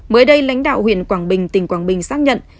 mới đây lãnh đạo huyện quảng bình tỉnh quảng bình xác nhận